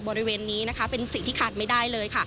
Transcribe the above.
บริเวณนี้เป็นสิ่งที่ขาดไม่ได้เลย